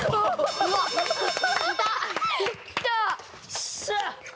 よっしゃ！